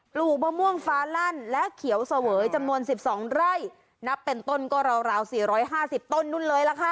ลูกมะม่วงฟ้าลั่นและเขียวเสวยจำนวน๑๒ไร่นับเป็นต้นก็ราวราวสี่ร้อยห้าสิบต้นนู่นเลยล่ะค่ะ